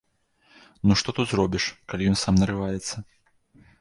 Ну што тут зробіш, калі ён сам нарываецца?